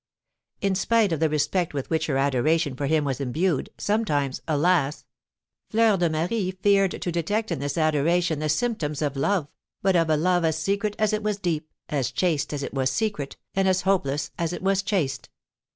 In spite of the respect with which her adoration for him was imbued, sometimes, alas! Fleur de Marie feared to detect in this adoration the symptoms of love, but of a love as secret as it was deep, as chaste as it was secret, and as hopeless as it was chaste.